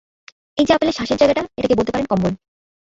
এই যে আপেলের শ্বাসের জায়গাটা, এটাকে বলতে পারেন কম্বল!